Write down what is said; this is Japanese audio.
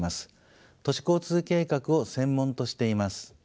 都市交通計画を専門としています。